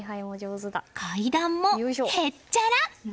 階段もへっちゃら！